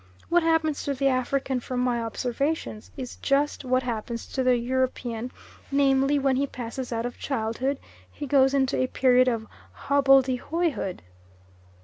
What happens to the African from my observations is just what happens to the European, namely, when he passes out of childhood, he goes into a period of hobbledehoyhood.